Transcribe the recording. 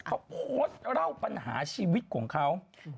เขาโพสต์เล่าปัญหาชีวิตของเขา